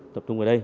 tập trung ở đây